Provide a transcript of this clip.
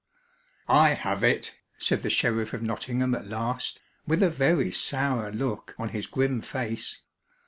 "I have it," said the sheriff of Nottingham at last, with a very sour look on his grim face.